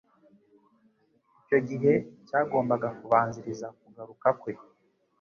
icyo gihe cyagombaga kubanziriza kugaruka kwe.